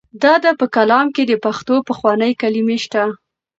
د ده په کلام کې د پښتو پخوانۍ کلمې شته.